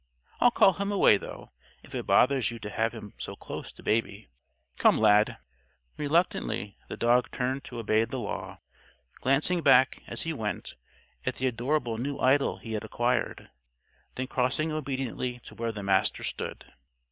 I'll call him away, though, if it bothers you to have him so close to Baby. Come, Lad!" Reluctantly, the dog turned to obey the Law; glancing back, as he went, at the adorable new idol he had acquired; then crossing obediently to where the Master stood.